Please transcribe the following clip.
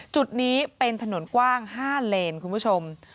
จุดนี้เป็นถนนกว้าง๕เลนคุณผู้ชม